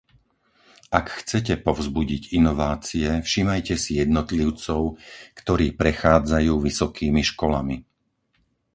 Ak chcete povzbudiť inovácie, všímajte si jednotlivcov, ktorí prechádzajú vysokými školami.